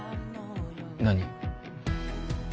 何？